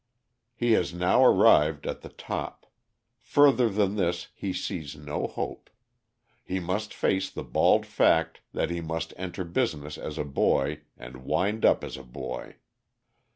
He has now arrived at the top; further than this he sees no hope. He must face the bald fact that he must enter business as a boy and wind up as a boy."